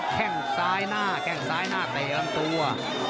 แค่งซ้ายหน้าแข้งซ้ายหน้าเตะลำตัว